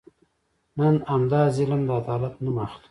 نن همدا ظلم د عدالت نوم اخلي.